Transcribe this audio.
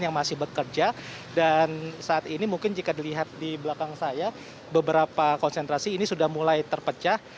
yang masih bekerja dan saat ini mungkin jika dilihat di belakang saya beberapa konsentrasi ini sudah mulai terpecah